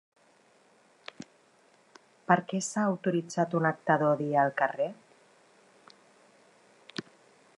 Per què s'ha autoritzat un acte d’odi al carrer?